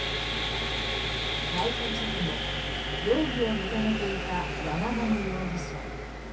逮捕直後、容疑を認めていた山上容疑者。